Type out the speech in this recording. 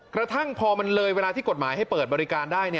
กระทั่งพอมันเลยเวลาที่กฎหมายให้เปิดบริการได้